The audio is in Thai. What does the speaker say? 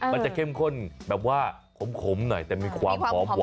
มันจะเข้มข้นแบบว่าขมหน่อยแต่มีความหอมหวาน